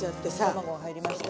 卵入りました。